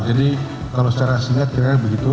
jadi kalau secara singkat kira kira begitu